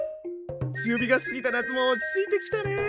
強火が過ぎた夏も落ち着いてきたねえ。